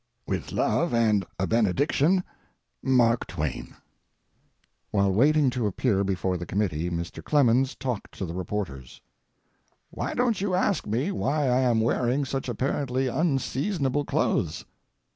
"With love and a benediction, "MARK TWAIN." While waiting to appear before the committee, Mr. Clemens talked to the reporters: Why don't you ask why I am wearing such apparently unseasonable clothes?